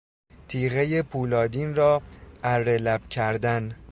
تیغهی پولادین را اره لب کردن